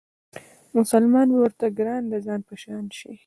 مسلمان به ورته ګران د ځان په شان شي